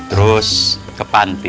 terus ke panti